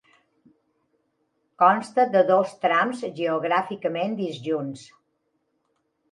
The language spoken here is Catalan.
Consta de dos trams geogràficament disjunts.